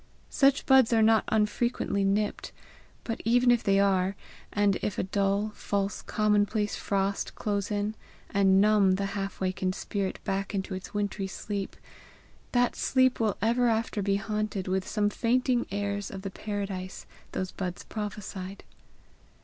Such buds are not unfrequently nipped; but even if they are, if a dull, false, commonplace frost close in, and numb the half wakened spirit back into its wintry sleep, that sleep will ever after be haunted with some fainting airs of the paradise those buds prophesied.